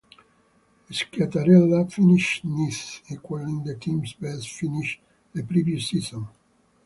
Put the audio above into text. Schiattarella finished ninth, equaling the team's best finish the previous season.